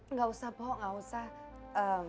enggak usah poh enggak usah